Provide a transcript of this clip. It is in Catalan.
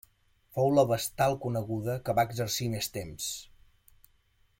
Fou la vestal coneguda que va exercir més temps.